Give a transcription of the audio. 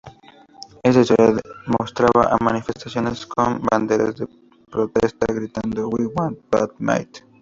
Esta historia mostraba a manifestantes con banderas de protesta gritando "We want Bat-Mite!